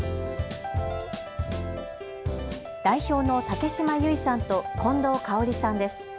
代表の竹島唯さんと近藤香さんです。